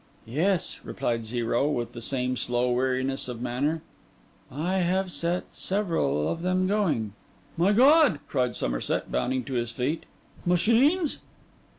'Yes,' replied Zero, with the same slow weariness of manner, 'I have set several of them going.' 'My God!' cried Somerset, bounding to his feet. 'Machines?